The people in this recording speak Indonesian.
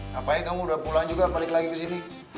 ngapain kamu udah pulang juga balik lagi ke sini